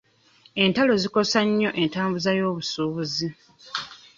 Entalo zikosa nnyo entambuza y'obusuubuzi.